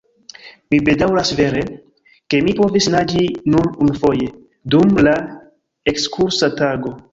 Mi bedaŭras vere, ke mi povis naĝi nur unufoje, dum la ekskursa tago.